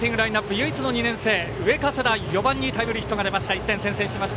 唯一の２年生上加世田、４番にタイムリーヒットが出ました。